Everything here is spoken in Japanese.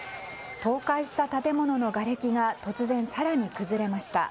倒壊した建物のがれきが突然、更に崩れました。